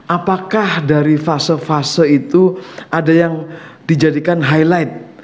apakah dari fase fase itu ada yang dijadikan highlight